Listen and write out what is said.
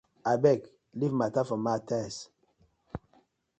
Abeg leave mata for Mathi.